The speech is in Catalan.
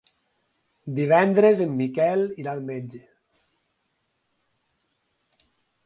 Divendres en Miquel irà al metge.